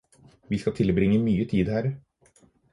Vi skal tilbringe mye tid her